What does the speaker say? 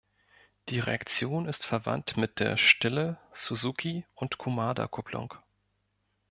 Die Reaktion ist verwandt mit der Stille-, Suzuki- und Kumada-Kupplung.